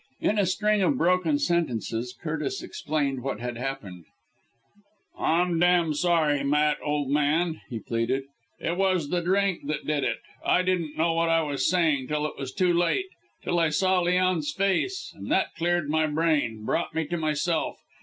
In a string of broken sentences Curtis explained what had happened. "I'm damned sorry, Matt, old man," he pleaded. "It was the drink that did it I didn't know what I was saying till it was too late till I saw Leon's face and that cleared my brain brought me to myself.